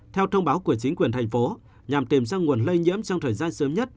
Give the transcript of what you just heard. theo thông báo của chính quyền thành phố nhằm tìm ra nguồn lây nhiễm trong thời gian sớm nhất